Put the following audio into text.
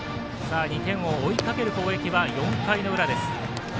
２点を追いかける攻撃は４回の裏です。